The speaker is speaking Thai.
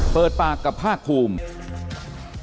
เปิดปากกับภาคภูมิ